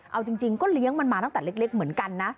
เอาจริงก็เลี้ยงมันมาตั้งแต่เล็กเหมือนกันนะ